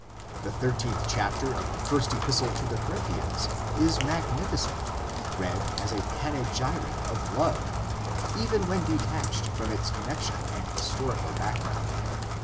The thirteenth chapter of the First Epistle to the Corinthians is magnificent, read as a panegyric of love, even when detached from its connection and historic background.